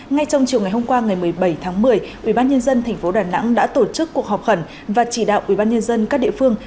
ngay trong chiều ngày hôm qua ngày một mươi bảy tháng một mươi ubnd tp đà nẵng đã tổ chức cuộc họp khẩn và chỉ đạo ubnd các địa phương